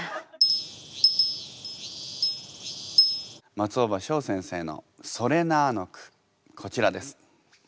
松尾葉翔先生の「それな」の句こちらです。